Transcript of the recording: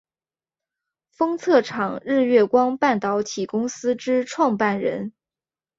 封测厂日月光半导体公司之创办人。